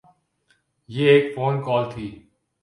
یہ ایک phone call تھی۔